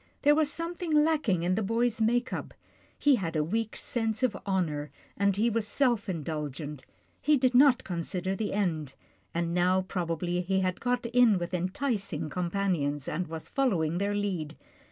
There was something lacking in the boy's make up. He had a weak sense of honour, and he was self in dulgent. He did not consider the end, and now probably he had got in with enticing companions, and was following their lead.